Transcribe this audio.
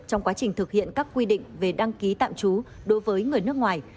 trong quá trình thực hiện các quy định về đăng ký tạm trú đối với người nước ngoài